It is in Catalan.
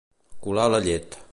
Colar la llet.